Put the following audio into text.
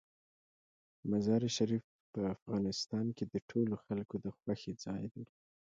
مزارشریف په افغانستان کې د ټولو خلکو د خوښې ځای دی.